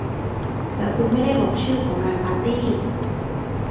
แต่คุณไม่ได้บอกชื่อของงานปาร์ตี้